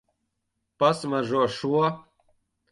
Pasmaržo šo.